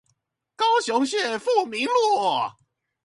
高雄市富民路